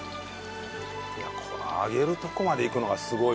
いやこの揚げるとこまでいくのがすごいよね。